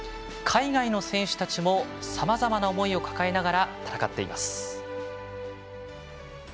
海外の選手たちもさまざまな思いを抱えながら戦っています。